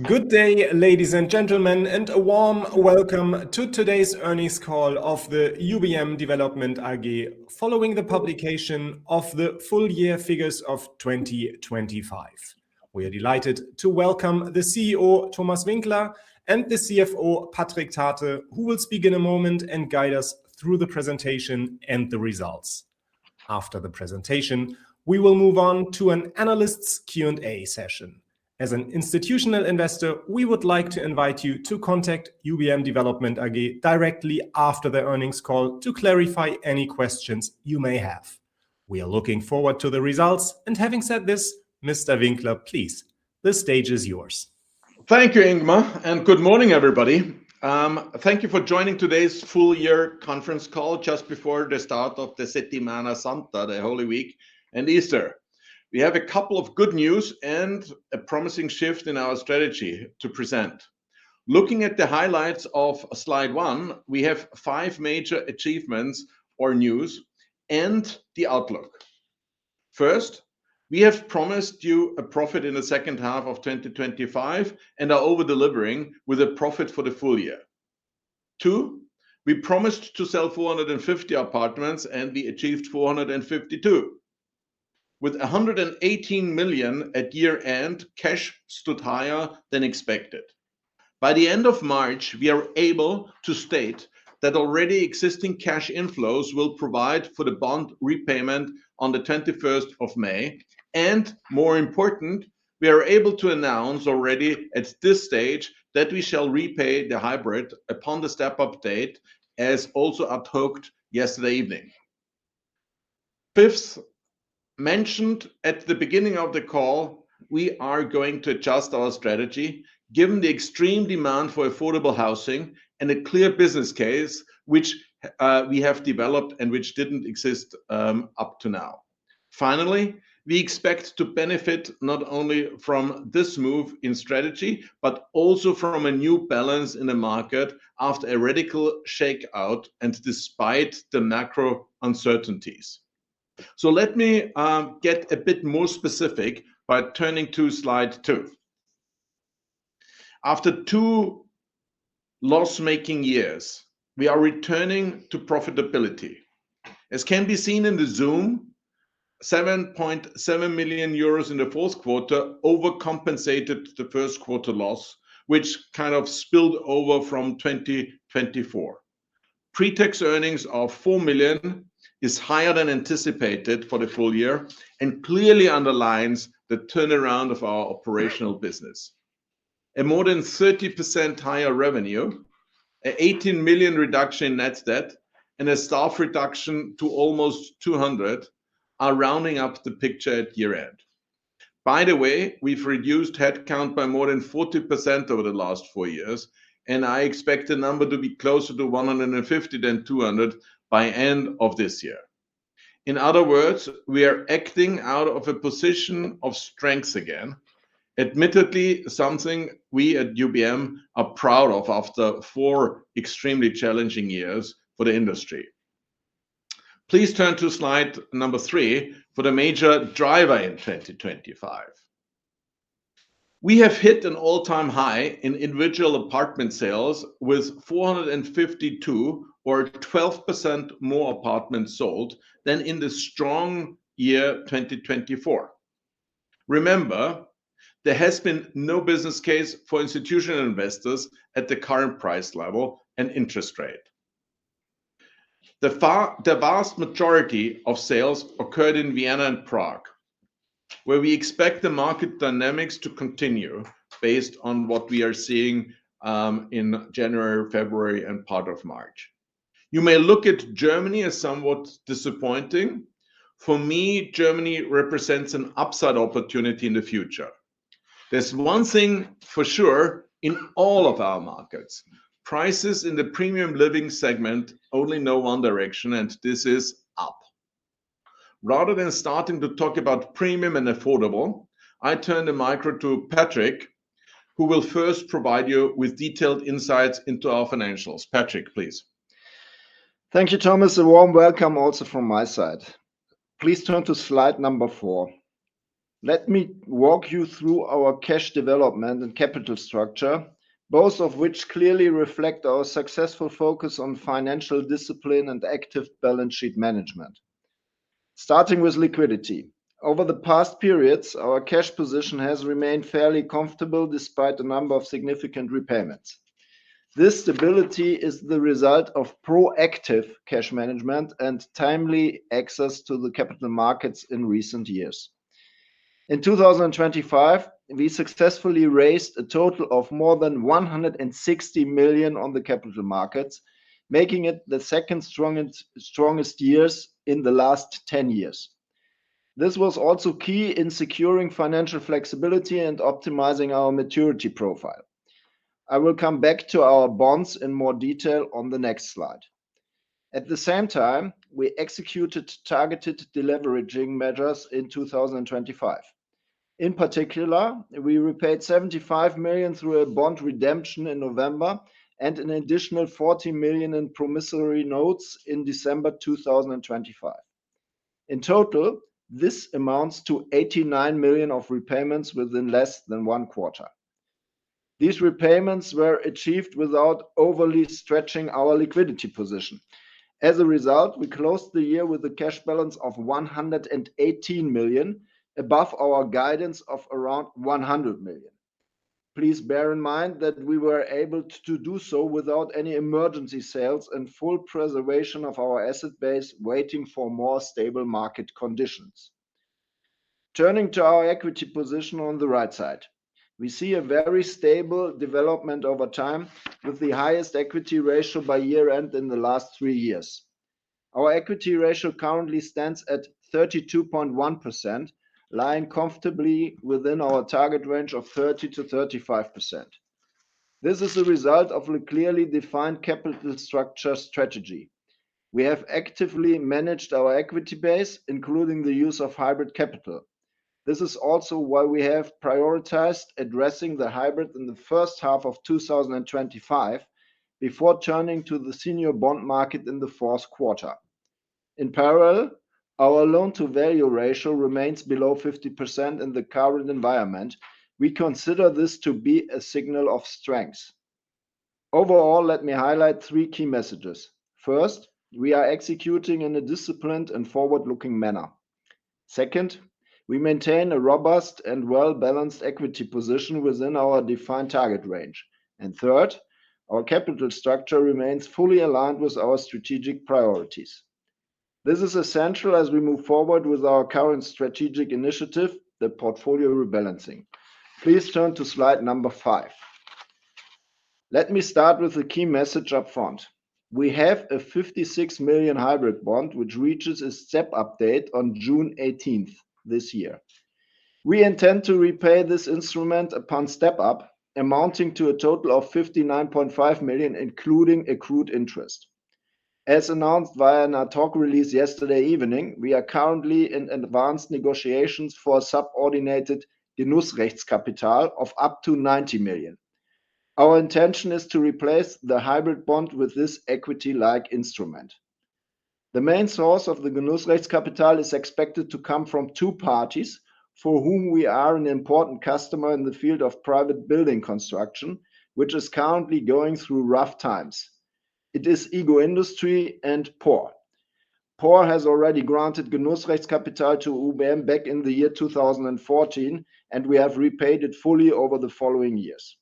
Good day, ladies and gentlemen, and a warm welcome to today's earnings call of the UBM Development AG, following the publication of the full year figures of 2025. We are delighted to welcome the CEO, Thomas Winkler, and the CFO, Patric Thate, who will speak in a moment and guide us through the presentation and the results. After the presentation, we will move on to an analyst's Q&A session. As an institutional investor, we would like to invite you to contact UBM Development AG directly after the earnings call to clarify any questions you may have. We are looking forward to the results. Having said this, Mr. Winkler, please, the stage is yours. Thank you, Ingmar, and good morning, everybody. Thank you for joining today's full year conference call just before the start of the Settimana Santa, the Holy Week and Easter. We have a couple of good news and a promising shift in our strategy to present. Looking at the highlights of slide one, we have five major achievements or news and the outlook. First, we have promised you a profit in the second half of 2025 and are over-delivering with a profit for the full year. Two, we promised to sell 450 apartments, and we achieved 452. With 118 million at year-end, cash stood higher than expected. By the end of March, we are able to state that already existing cash inflows will provide for the bond repayment on the 21st of May and, more important, we are able to announce already at this stage that we shall repay the hybrid upon the step-up date, as also announced yesterday evening. Fifth, mentioned at the beginning of the call, we are going to adjust our strategy given the extreme demand for affordable housing and a clear business case which we have developed and which didn't exist up to now. Finally, we expect to benefit not only from this move in strategy, but also from a new balance in the market after a radical shakeout and despite the macro uncertainties. Let me get a bit more specific by turning to slide two. After two loss-making years, we are returning to profitability. As can be seen in the zoom, 7.7 million euros in the fourth quarter overcompensated the first quarter loss, which kind of spilled over from 2024. Pretax earnings of 4 million is higher than anticipated for the full year and clearly underlines the turnaround of our operational business. A more than 30% higher revenue, a 18 million reduction in net debt, and a staff reduction to almost 200 are rounding up the picture at year-end. By the way, we've reduced headcount by more than 40% over the last four years, and I expect the number to be closer to 150 than 200 by end of this year. In other words, we are acting out of a position of strength again, admittedly something we at UBM are proud of after four extremely challenging years for the industry. Please turn to slide number three for the major driver in 2025. We have hit an all-time high in individual apartment sales with 452 or 12% more apartments sold than in the strong year, 2024. Remember, there has been no business case for institutional investors at the current price level and interest rate. The vast majority of sales occurred in Vienna and Prague, where we expect the market dynamics to continue based on what we are seeing in January, February and part of March. You may look at Germany as somewhat disappointing. For me, Germany represents an upside opportunity in the future. There's one thing for sure in all of our markets, prices in the premium living segment only know one direction, and this is up. Rather than starting to talk about premium and affordable, I turn the mic to Patric, who will first provide you with detailed insights into our financials. Patric, please. Thank you, Thomas. A warm welcome also from my side. Please turn to slide number four. Let me walk you through our cash development and capital structure, both of which clearly reflect our successful focus on financial discipline and active balance sheet management. Starting with liquidity. Over the past periods, our cash position has remained fairly comfortable despite a number of significant repayments. This stability is the result of proactive cash management and timely access to the capital markets in recent years. In 2025, we successfully raised a total of more than 160 million on the capital markets, making it the second strongest years in the last 10 years. This was also key in securing financial flexibility and optimizing our maturity profile. I will come back to our bonds in more detail on the next slide. At the same time, we executed targeted deleveraging measures in 2025. In particular, we repaid 75 million through a bond redemption in November and an additional 40 million in promissory notes in December 2025. In total, this amounts to 89 million of repayments within less than one quarter. These repayments were achieved without overly stretching our liquidity position. As a result, we closed the year with a cash balance of 118 million, above our guidance of around 100 million. Please bear in mind that we were able to do so without any emergency sales and full preservation of our asset base, waiting for more stable market conditions. Turning to our equity position on the right side, we see a very stable development over time with the highest equity ratio by year-end in the last three years. Our equity ratio currently stands at 32.1%, lying comfortably within our target range of 30%-35%. This is a result of a clearly defined capital structure strategy. We have actively managed our equity base, including the use of hybrid capital. This is also why we have prioritized addressing the hybrid in the first half of 2025 before turning to the senior bond market in the fourth quarter. In parallel, our loan-to-value ratio remains below 50% in the current environment. We consider this to be a signal of strength. Overall, let me highlight three key messages. First, we are executing in a disciplined and forward-looking manner. Second, we maintain a robust and well-balanced equity position within our defined target range. Third, our capital structure remains fully aligned with our strategic priorities. This is essential as we move forward with our current strategic initiative, the portfolio rebalancing. Please turn to slide number five. Let me start with a key message up front. We have a 56 million hybrid bond, which reaches a step-up date on June 18th this year. We intend to repay this instrument upon step-up, amounting to a total of 59.5 million, including accrued interest. As announced via an ad hoc release yesterday evening, we are currently in advanced negotiations for subordinated Genussrechtskapital of up to 90 million. Our intention is to replace the hybrid bond with this equity-like instrument. The main source of the Genussrechtskapital is expected to come from two parties for whom we are an important customer in the field of private building construction, which is currently going through rough times. It is IGO Industries and PORR. PORR has already granted Genussrechtskapital to UBM back in the year 2014, and we have repaid it fully over the following years.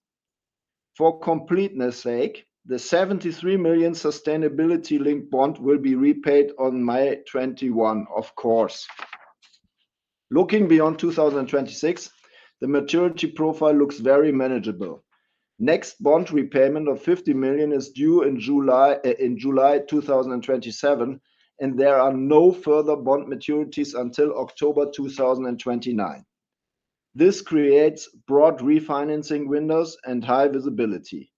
For completeness' sake, the 73 million sustainability-linked bond will be repaid on May 21, of course. Looking beyond 2026, the maturity profile looks very manageable. Next bond repayment of 50 million is due in July, in July 2027, and there are no further bond maturities until October 2029. This creates broad refinancing windows and high visibility.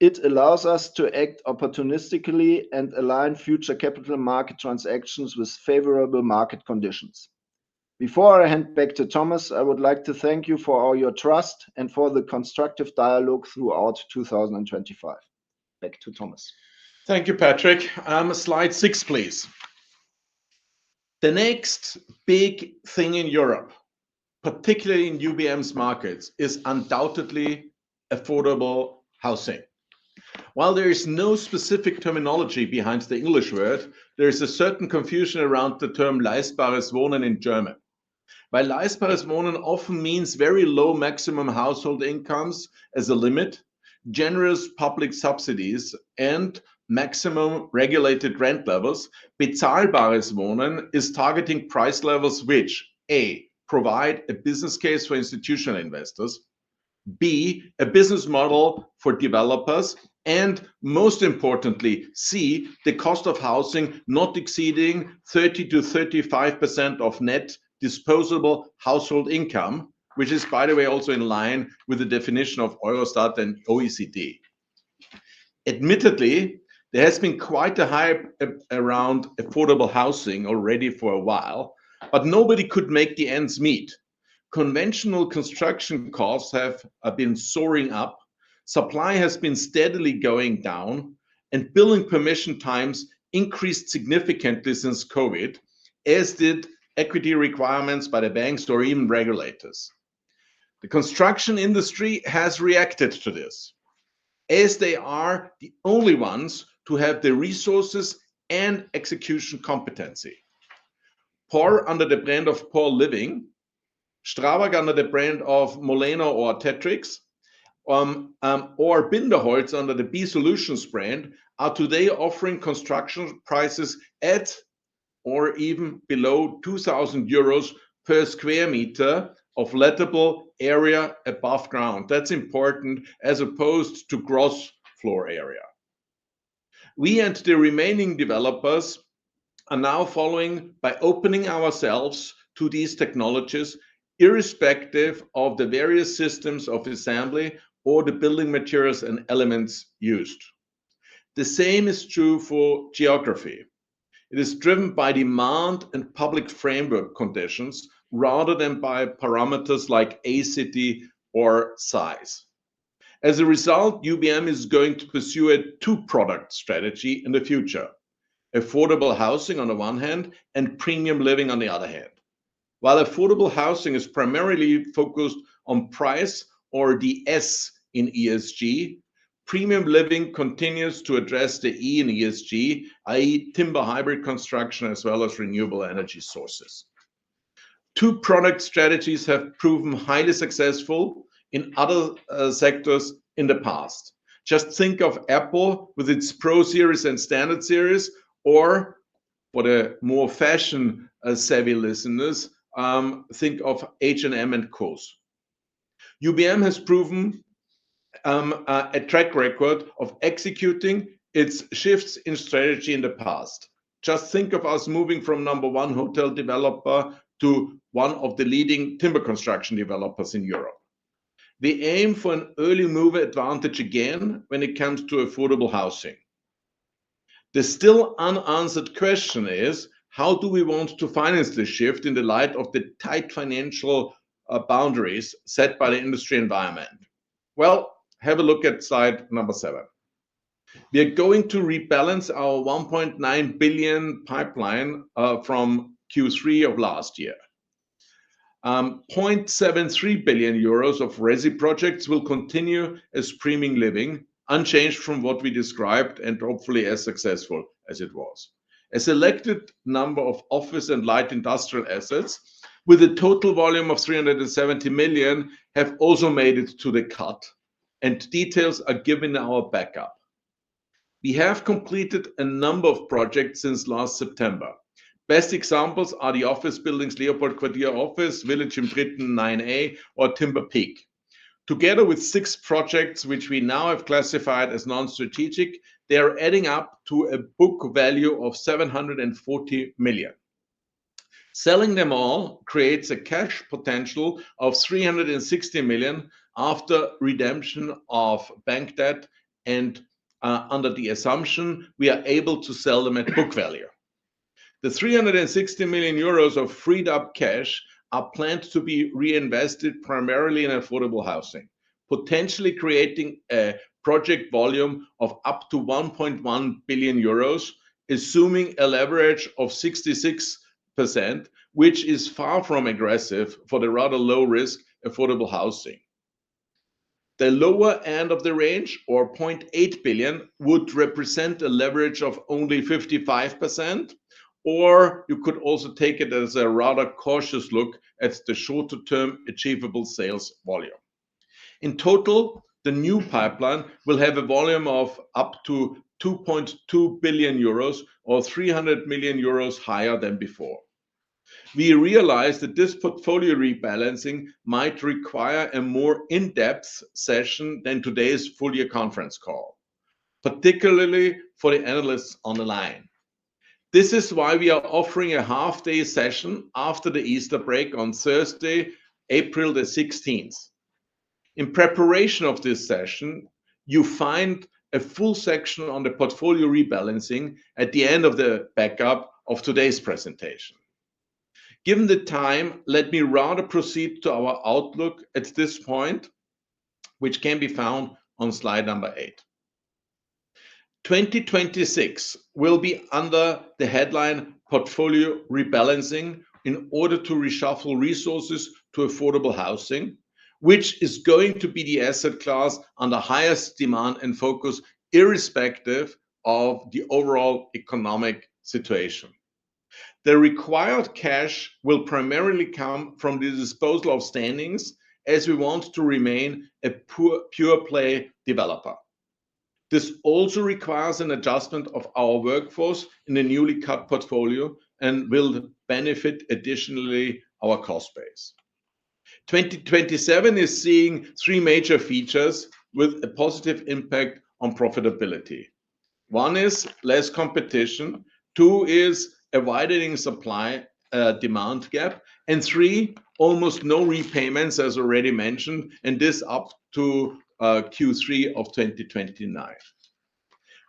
It allows us to act opportunistically and align future capital market transactions with favorable market conditions. Before I hand back to Thomas, I would like to thank you for all your trust and for the constructive dialogue throughout 2025. Back to Thomas. Thank you, Patric. Slide six, please. The next big thing in Europe, particularly in UBM's markets, is undoubtedly affordable housing. While there is no specific terminology behind the English word, there is a certain confusion around the term leistbares Wohnen in German. While leistbares Wohnen often means very low maximum household incomes as a limit, generous public subsidies and maximum regulated rent levels, bezahlbares Wohnen is targeting price levels which, A, provide a business case for institutional investors, B, a business model for developers, and most importantly, C, the cost of housing not exceeding 30%-35% of net disposable household income, which is, by the way, also in line with the definition of Eurostat and OECD. Admittedly, there has been quite a hype around affordable housing already for a while, but nobody could make the ends meet. Conventional construction costs have been soaring up, supply has been steadily going down, and building permission times increased significantly since COVID, as did equity requirements by the banks or even regulators. The construction industry has reacted to this, as they are the only ones to have the resources and execution competency. PORR under the brand of PORR Living, STRABAG under the brand of MOLENO or TETRIQX, or Binderholz under the b_solutions brand are today offering construction prices at or even below 2000 euros/sq m of lettable area above ground. That's important, as opposed to gross floor area. We and the remaining developers are now following by opening ourselves to these technologies, irrespective of the various systems of assembly or the building materials and elements used. The same is true for geography. It is driven by demand and public framework conditions rather than by parameters like a city or size. As a result, UBM is going to pursue a two-product strategy in the future. Affordable housing on the one hand and premium living on the other hand. While affordable housing is primarily focused on price or the S in ESG, premium living continues to address the E in ESG, i.e. timber hybrid construction, as well as renewable energy sources. Two product strategies have proven highly successful in other sectors in the past. Just think of Apple with its Pro series and standard series, or for the more fashion-savvy listeners, think of H&M and COS. UBM has proven a track record of executing its shifts in strategy in the past. Just think of us moving from number one hotel developer to one of the leading timber construction developers in Europe. We aim for an early mover advantage again when it comes to affordable housing. The still unanswered question is, how do we want to finance the shift in the light of the tight financial boundaries set by the industry environment? Well, have a look at slide number seven. We are going to rebalance our 1.9 billion pipeline from Q3 of last year. 0.73 billion euros of resi projects will continue as premium living, unchanged from what we described and hopefully as successful as it was. A selected number of office and light industrial assets with a total volume of 370 million have also made it to the cut, and details are given in our backup. We have completed a number of projects since last September. Best examples are the office buildings LeopoldQuartier Office, Village im Dritten 9A, or Timber Peak. Together with six projects which we now have classified as non-strategic, they are adding up to a book value of 740 million. Selling them all creates a cash potential of 360 million after redemption of bank debt and under the assumption we are able to sell them at book value. The 360 million euros of freed-up cash are planned to be reinvested primarily in affordable housing, potentially creating a project volume of up to 1.1 billion euros, assuming a leverage of 66%, which is far from aggressive for the rather low risk affordable housing. The lower end of the range, or 0.8 billion, would represent a leverage of only 55%. You could also take it as a rather cautious look at the shorter-term achievable sales volume. In total, the new pipeline will have a volume of up to 2.2 billion euros or 300 million euros higher than before. We realize that this portfolio rebalancing might require a more in-depth session than today's full-year conference call, particularly for the analysts on the line. This is why we are offering a half-day session after the Easter break on Thursday, April the 16th. In preparation of this session, you find a full section on the portfolio rebalancing at the end of the backup of today's presentation. Given the time, let me rather proceed to our outlook at this point, which can be found on slide number eight. 2026 will be under the headline Portfolio Rebalancing in order to reshuffle resources to affordable housing, which is going to be the asset class under highest demand and focus irrespective of the overall economic situation. The required cash will primarily come from the disposal of standings as we want to remain a pure play developer. This also requires an adjustment of our workforce in the newly cut portfolio and will benefit additionally our cost base. 2027 is seeing three major features with a positive impact on profitability. One is less competition, two is a widening supply, demand gap, and three, almost no repayments, as already mentioned, and this up to Q3 of 2029.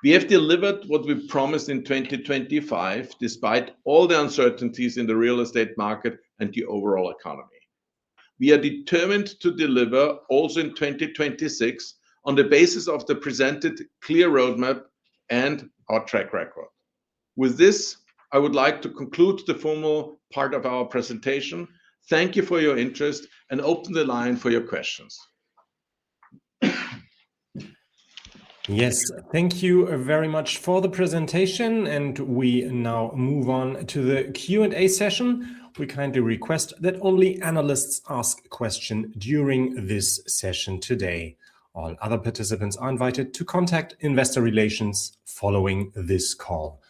We have delivered what we've promised in 2025, despite all the uncertainties in the real estate market and the overall economy. We are determined to deliver also in 2026 on the basis of the presented clear roadmap and our track record. With this, I would like to conclude the formal part of our presentation. Thank you for your interest, and open the line for your questions. Yes. Thank you very much for the presentation, and we now move on to the Q&A session. We kindly request that only analysts ask a question during this session today. All other participants are invited to contact investor relations following this call.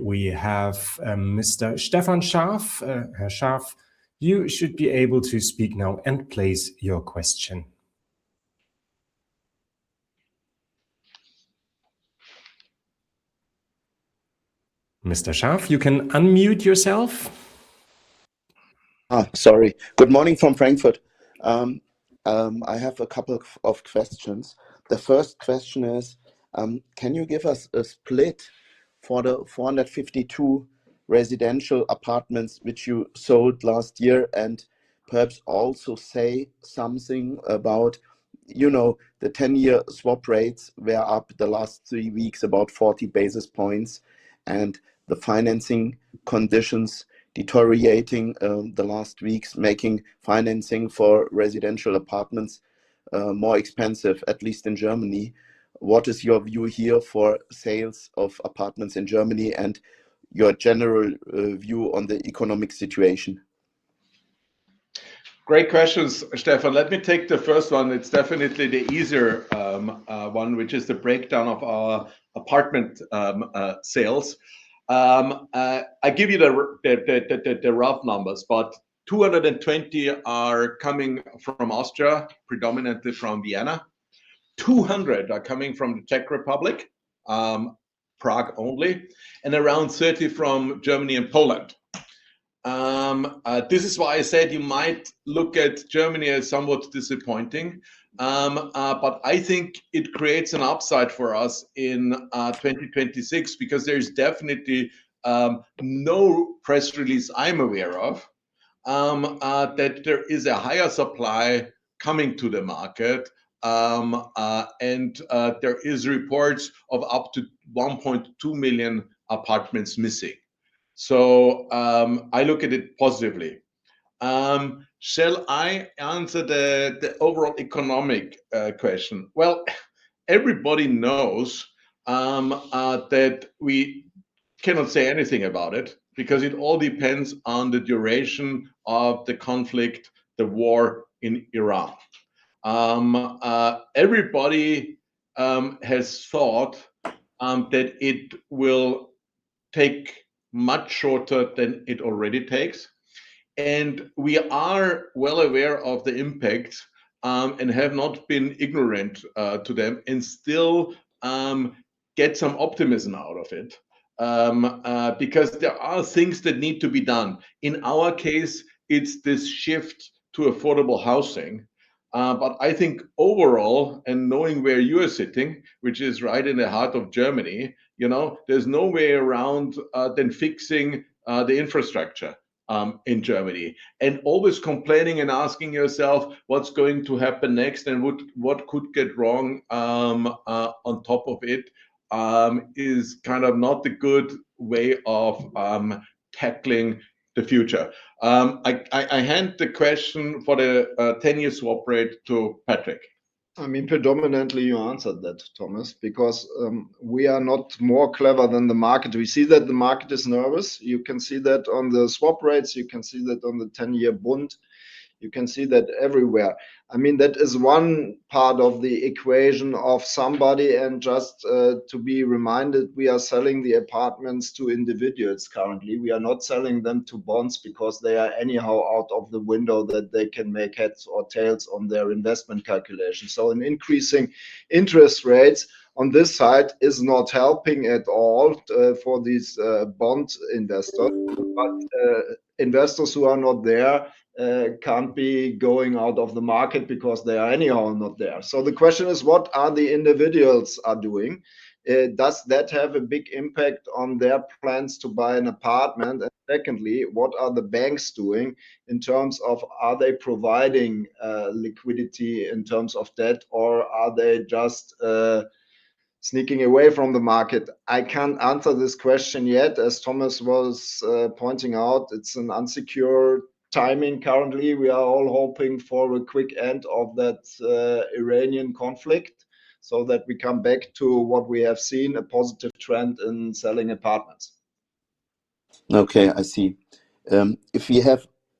We have Mr. Stefan Scharff. Herr Scharff, you should be able to speak now and place your question. Mr. Scharff, you can unmute yourself. Sorry. Good morning from Frankfurt. I have a couple of questions. The first question is, can you give us a split for the 452 residential apartments which you sold last year and perhaps also say something about, you know, the ten-year swap rates were up the last three weeks about 40 basis points and the financing conditions deteriorating, the last weeks, making financing for residential apartments more expensive, at least in Germany. What is your view here for sales of apartments in Germany and your general view on the economic situation? Great questions, Stefan. Let me take the first one. It's definitely the easier one, which is the breakdown of our apartment sales. I give you the rough numbers, but 220 are coming from Austria, predominantly from Vienna. 200 are coming from the Czech Republic, Prague only, and around 30 from Germany and Poland. This is why I said you might look at Germany as somewhat disappointing. But I think it creates an upside for us in 2026 because there is definitely no press release I'm aware of that there is a higher supply coming to the market. There is reports of up to 1.2 million apartments missing. I look at it positively. Shall I answer the overall economic question? Well, everybody knows that we cannot say anything about it because it all depends on the duration of the conflict, the war in Ukraine. Everybody has thought that it will take much shorter than it already takes, and we are well aware of the impact, and have not been ignorant to them and still get some optimism out of it. Because there are things that need to be done. In our case, it's this shift to affordable housing. I think overall, and knowing where you are sitting, which is right in the heart of Germany, you know, there's no way around than fixing the infrastructure in Germany. Always complaining and asking yourself what's going to happen next and what could get wrong, on top of it, is kind of not the good way of tackling the future. I hand the question for the 10-year swap rate to Patric. I mean, predominantly, you answered that, Thomas, because we are not more clever than the market. We see that the market is nervous. You can see that on the swap rates. You can see that on the 10-year bond. You can see that everywhere. I mean, that is one part of the equation of somebody. Just to be reminded, we are selling the apartments to individuals currently. We are not selling them to bonds because they are anyhow out of the window that they can make heads or tails on their investment calculation. An increasing interest rates on this side is not helping at all for these bond investors. Investors who are not there can't be going out of the market because they are anyhow not there. The question is, what the individuals are doing? Does that have a big impact on their plans to buy an apartment? Secondly, what are the banks doing in terms of are they providing liquidity in terms of debt, or are they just sneaking away from the market? I can't answer this question yet. As Thomas was pointing out, it's an uncertain timing currently. We are all hoping for a quick end of that Ukraine conflict so that we come back to what we have seen, a positive trend in selling apartments. Okay, I see.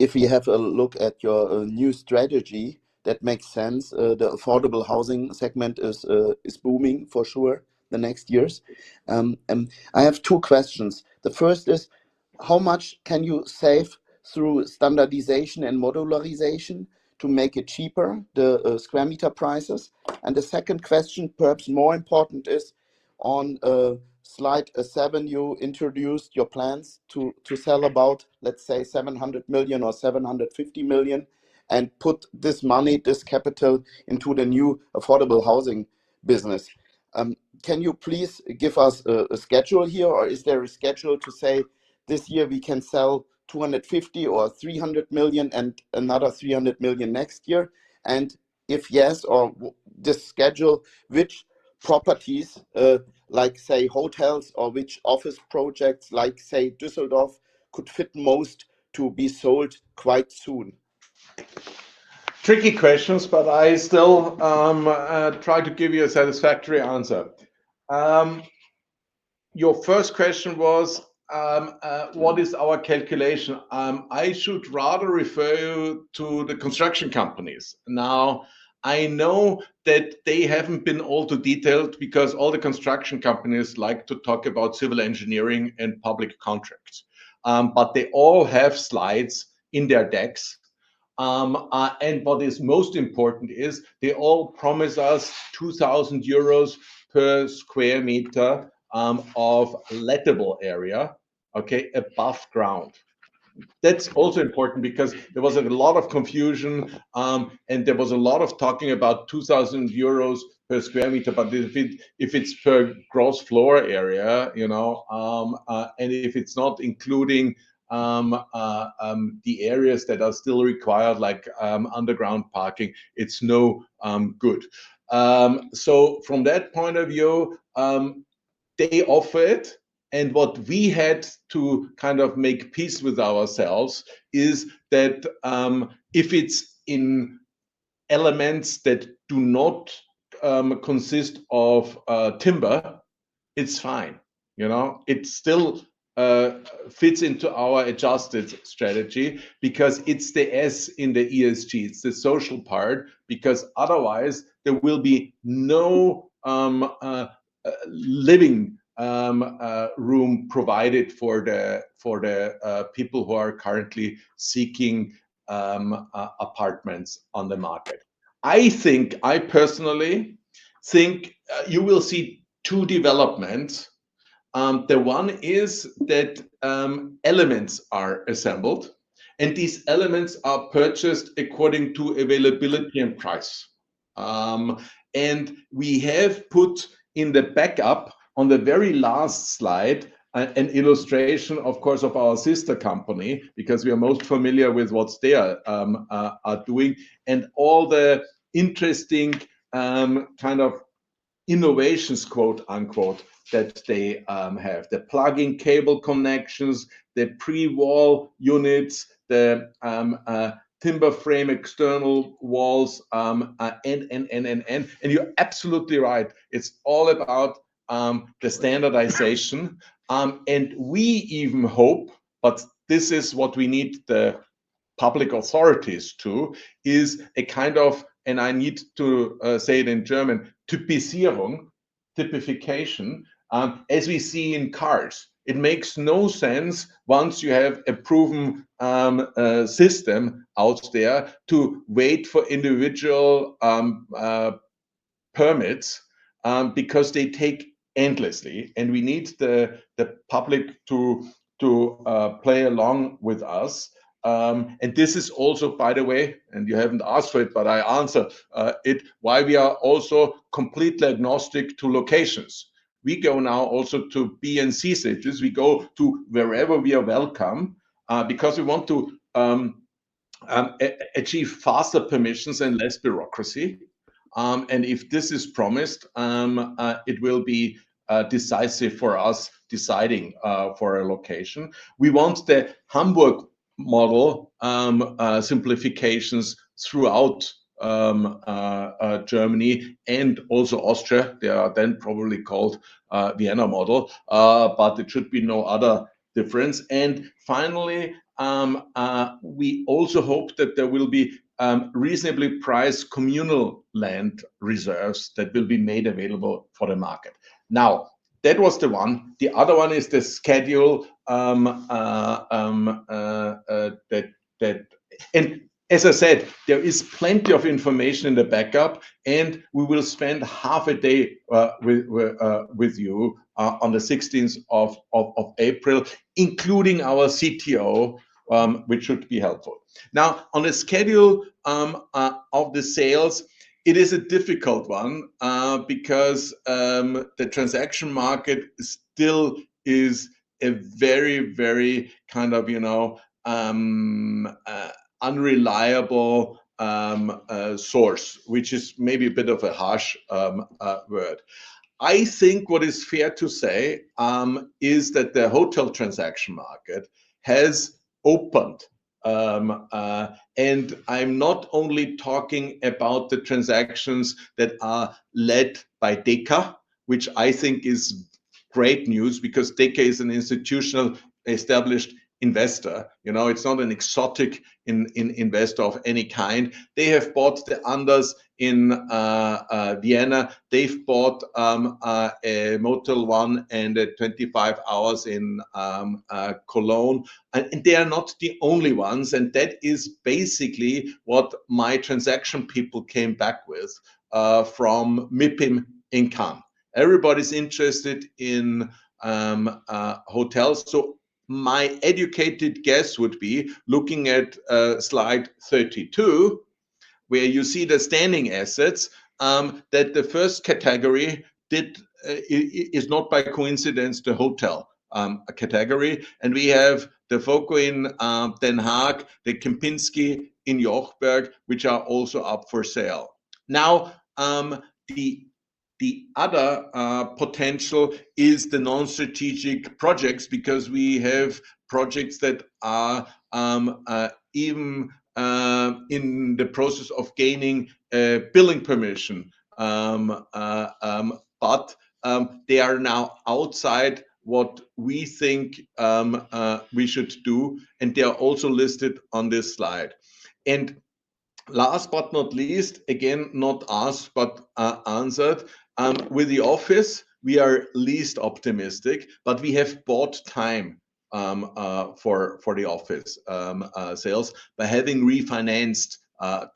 If you have a look at your new strategy, that makes sense. The affordable housing segment is booming for sure the next years. I have two questions. The first is, how much can you save through standardization and modularization to make it cheaper, the square meter prices? And the second question, perhaps more important, is on slide seven, you introduced your plans to sell about, let's say, 700 million or 750 million and put this money, this capital, into the new affordable housing business. Can you please give us a schedule here, or is there a schedule to say, "This year we can sell 250 million or 300 million and another 300 million next year"? If yes, on this schedule, which properties, like, say, hotels or which office projects like, say, Düsseldorf, could fit most to be sold quite soon? Tricky questions, but I still try to give you a satisfactory answer. Your first question was what is our calculation? I should rather refer you to the construction companies. Now, I know that they haven't been all too detailed because all the construction companies like to talk about civil engineering and public contracts. But they all have slides in their decks. What is most important is they all promise us 2,000 euros/sq m of lettable area, okay, above ground. That's also important because there was a lot of confusion, and there was a lot of talking about 2,000 euros/sq m. If it's per gross floor area, you know, and if it's not including the areas that are still required, like underground parking, it's no good. From that point of view, they offer it, and what we had to kind of make peace with ourselves is that if it's in elements that do not consist of timber, it's fine. You know, it still fits into our adjusted strategy because it's the S in the ESG, it's the social part, because otherwise there will be no living room provided for the people who are currently seeking apartments on the market. I think, I personally think, you will see two developments. The one is that, elements are assembled, and these elements are purchased according to availability and price. We have put in the backup on the very last slide an illustration, of course, of our sister company, because we are most familiar with what they are doing and all the interesting kind of innovations, quote-unquote, that they have. The plug-in cable connections, the pre-wall units, the timber frame external walls, and. You're absolutely right. It's all about the standardization. We even hope that there will be reasonably priced communal land reserves that will be made available for the market. Now, that was the one. The other one is the schedule. As I said, there is plenty of information in the backup, and we will spend half a day with you on the 16th of April, including our CTO, which should be helpful. Now, on the schedule of the sales, it is a difficult one, because the transaction market still is a very, very kind of, you know, unreliable source, which is maybe a bit of a harsh word. I think what is fair to say is that the hotel transaction market has opened. I'm not only talking about the transactions that are led by Deka, which I think is great news because Deka is an institutional established investor. You know, it's not an exotic investor of any kind. They have bought the Andaz in Vienna. They've bought a Motel One and a 25hours in Cologne. They are not the only ones, and that is basically what my transaction people came back with from MIPIM in Cannes. Everybody's interested in hotels. My educated guess would be looking at slide 32, where you see the standing assets, that the first category is not by coincidence the hotel category. We have the voco in The Hague, the Kempinski in Jochberg, which are also up for sale. Now, the other potential is the non-strategic projects, because we have projects that are even in the process of gaining building permission. But they are now outside what we think we should do, and they are also listed on this slide. Last but not least, again, not asked but answered, with the office, we are least optimistic, but we have bought time for the office sales by having refinanced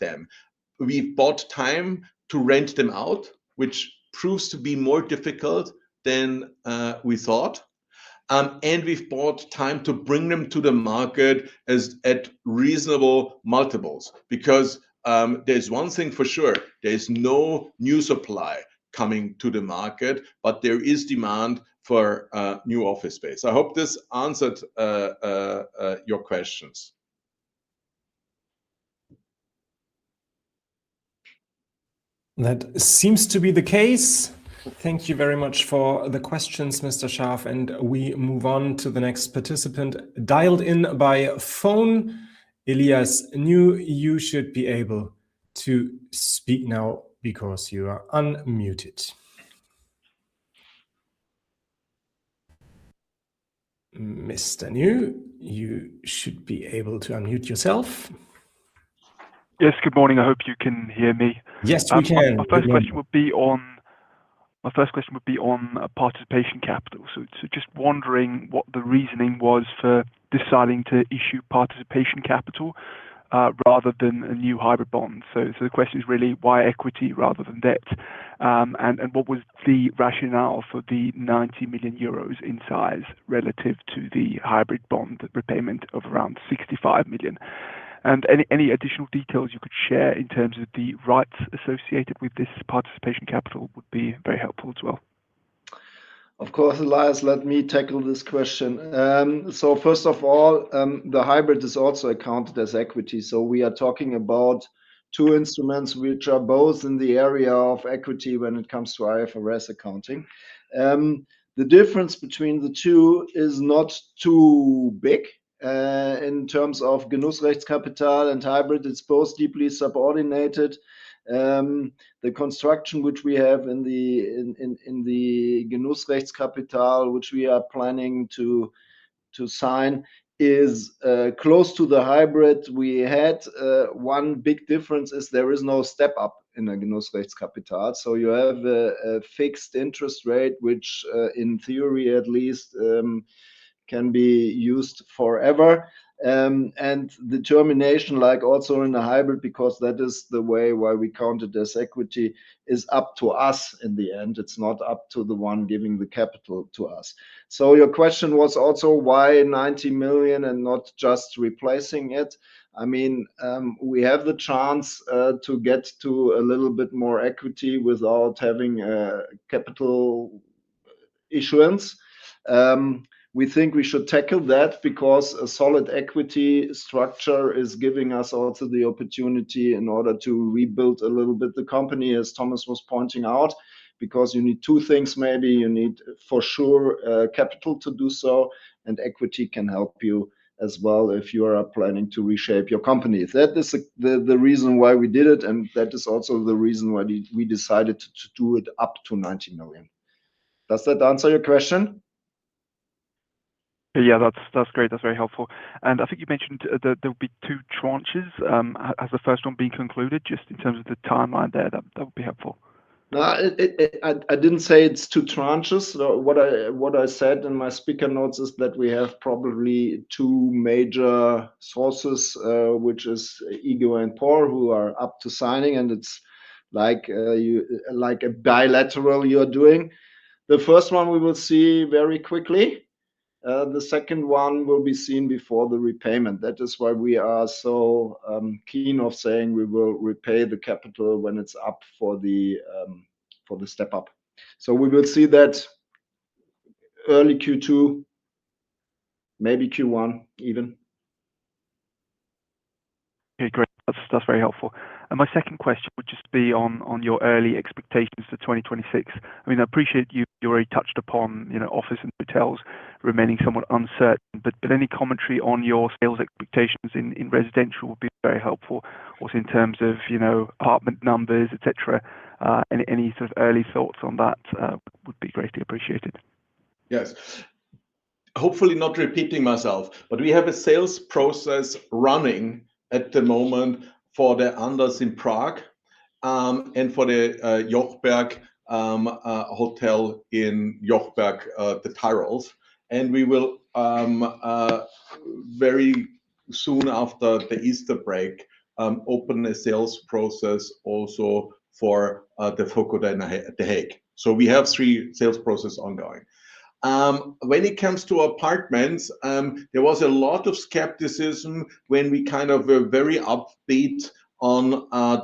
them. We've bought time to rent them out, which proves to be more difficult than we thought. We've bought time to bring them to the market as at reasonable multiples because there's one thing for sure, there is no new supply coming to the market, but there is demand for new office space. I hope this answered your questions. That seems to be the case. Thank you very much for the questions, Mr. Scharff. We move on to the next participant dialed in by phone. Elias New, you should be able to speak now because you are unmuted. Mr. New, you should be able to unmute yourself. Yes. Good morning. I hope you can hear me. Yes, we can. My first question would be on participation capital. Just wondering what the reasoning was for deciding to issue participation capital rather than a new hybrid bond. The question is really why equity rather than debt? And what was the rationale for the 90 million euros in size relative to the hybrid bond repayment of around 65 million? Any additional details you could share in terms of the rights associated with this participation capital would be very helpful as well. Of course, Elias, let me tackle this question. First of all, the hybrid is also accounted as equity. We are talking about two instruments which are both in the area of equity when it comes to IFRS accounting. The difference between the two is not too big in terms of Genussrechtskapital and hybrid. It's both deeply subordinated. The construction which we have in the Genussrechtskapital, which we are planning to sign, is close to the hybrid we had. One big difference is there is no step up in a Genussrechtskapital. You have a fixed interest rate, which in theory at least can be used forever. The termination, like also in the hybrid, because that is the way why we count it as equity, is up to us in the end. It's not up to the one giving the capital to us. Your question was also why 90 million and not just replacing it. I mean, we have the chance to get to a little bit more equity without having a capital issuance. We think we should tackle that because a solid equity structure is giving us also the opportunity in order to rebuild a little bit the company, as Thomas was pointing out. You need two things maybe. You need for sure capital to do so, and equity can help you as well if you are planning to reshape your company. That is the reason why we did it, and that is also the reason why we decided to do it up to 90 million. Does that answer your question? Yeah, that's great. That's very helpful. I think you mentioned there will be two tranches. Has the first one been concluded just in terms of the timeline there? That would be helpful. No, I didn't say it's two tranches. What I said in my speaker notes is that we have probably two major sources, which is IGO and PORR who are up to signing, and it's like a bilateral you're doing. The first one we will see very quickly. The second one will be seen before the repayment. That is why we are so keen of saying we will repay the capital when it's up for the step up. We will see that early Q2, maybe Q1 even. Okay, great. That's very helpful. My second question would just be on your early expectations for 2026. I mean, I appreciate you already touched upon, you know, office and hotels remaining somewhat uncertain, but any commentary on your sales expectations in residential would be very helpful. Also in terms of, you know, apartment numbers, et cetera, any sort of early thoughts on that would be greatly appreciated. Yes. Hopefully not repeating myself, but we have a sales process running at the moment for the Andaz in Prague, and for the Jochberg hotel in Jochberg, the Tyrol. We will very soon after the Easter break open a sales process also for the voco in The Hague. We have three sales process ongoing. When it comes to apartments, there was a lot of skepticism when we kind of were very upbeat on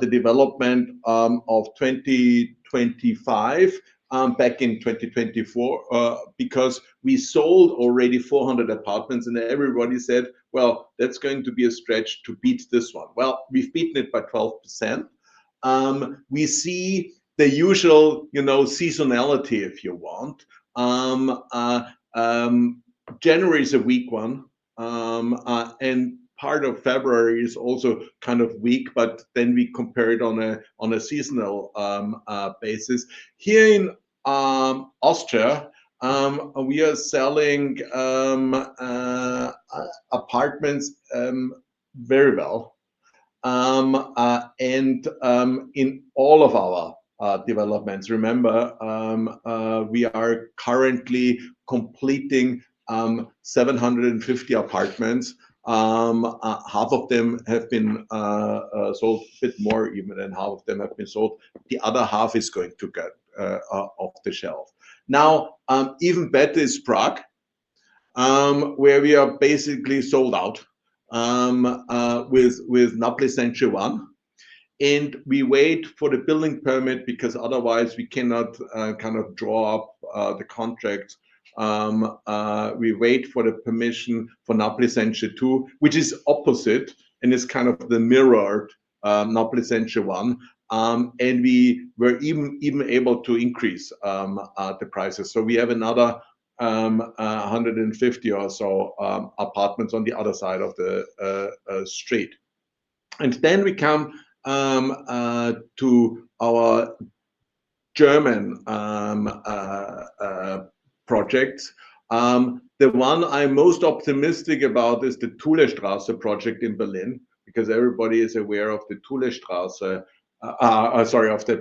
the development of 2025 back in 2024 because we sold already 400 apartments, and everybody said, "Well, that's going to be a stretch to beat this one." Well, we've beaten it by 12%. We see the usual, you know, seasonality if you want. January is a weak one, and part of February is also kind of weak, but then we compare it on a seasonal basis. Here in Austria, we are selling apartments very well. In all of our developments, remember, we are currently completing 750 apartments. Half of them have been sold, a bit more even than half of them have been sold. The other half is going to go off the shelf. Now, even better is Prague, where we are basically sold out with Náplavka Centro One. We wait for the building permit because otherwise we cannot kind of draw up the contract. We wait for the permission for Náplavka Centro Two, which is opposite and is kind of the mirrored Náplavka Centro One. We were even able to increase the prices. We have another 150 or so apartments on the other side of the street. We come to our German project. The one I'm most optimistic about is the Thulestraße project in Berlin, because everybody is aware of the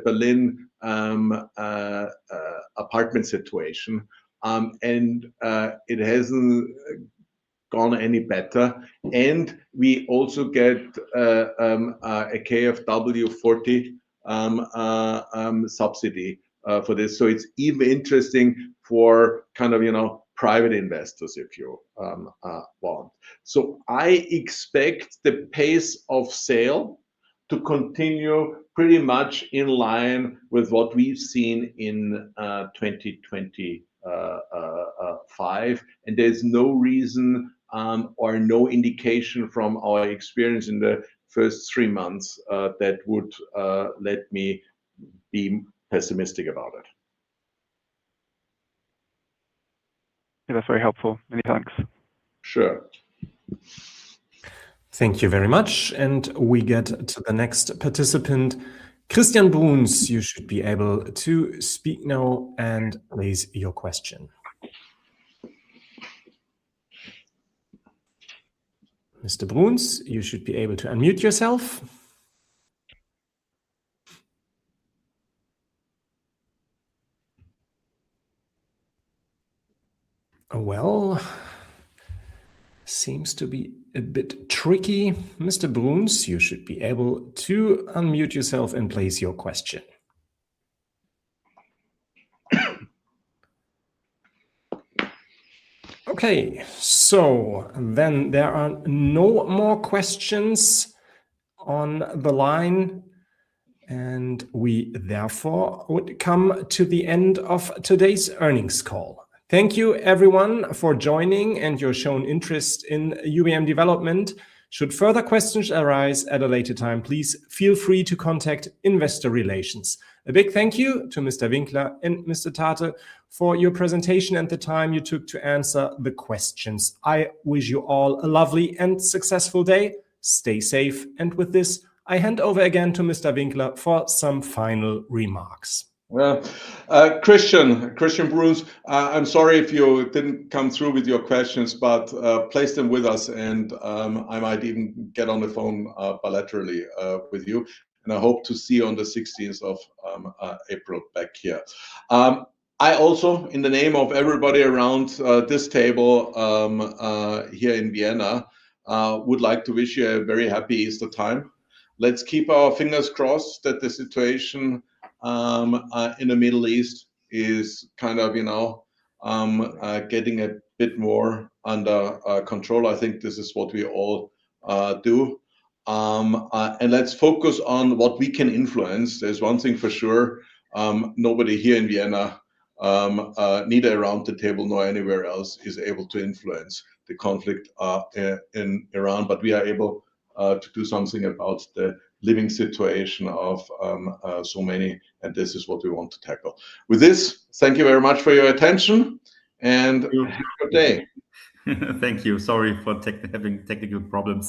Berlin apartment situation. We also get a KfW 40 subsidy for this. It's even interesting for you know private investors if you want. I expect the pace of sale to continue pretty much in line with what we've seen in 2025. There's no reason, or no indication from our experience in the first three months, that would let me be pessimistic about it. That's very helpful. Many thanks. Sure. Thank you very much. We get to the next participant. Christian Bruns, you should be able to speak now and raise your question. Mr. Bruns, you should be able to unmute yourself. Well, seems to be a bit tricky. Mr. Bruns, you should be able to unmute yourself and place your question. Okay. Then there are no more questions on the line, and we therefore would come to the end of today's earnings call. Thank you everyone for joining and your shown interest in UBM Development. Should further questions arise at a later time, please feel free to contact investor relations. A big thank you to Mr. Winkler and Mr. Thate for your presentation and the time you took to answer the questions. I wish you all a lovely and successful day. Stay safe. With this, I hand over again to Mr. Winkler for some final remarks. Well, Christian Bruns, I'm sorry if you didn't come through with your questions, but place them with us, and I might even get on the phone bilaterally with you. I hope to see you on the 16th of April back here. I also, in the name of everybody around this table here in Vienna, would like to wish you a very happy Easter time. Let's keep our fingers crossed that the situation in Eastern Europe is kind of, you know, getting a bit more under control. I think this is what we all do. Let's focus on what we can influence. There's one thing for sure, nobody here in Vienna, neither around the table nor anywhere else, is able to influence the conflict in Ukraine, but we are able to do something about the living situation of so many, and this is what we want to tackle. With this, thank you very much for your attention and have a good day. Thank you. Sorry for having technical problems.